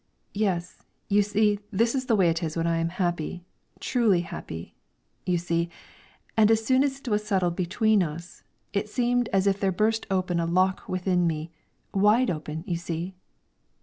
"Yes, you see, this is the way it is when I am happy truly happy, you see; and as soon as it was settled between us two, it seemed as if there burst open a lock within me wide open, you see."